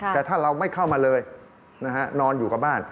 แต่ถ้าเราไม่เข้ามาเลยนอนอยู่กับบ้าน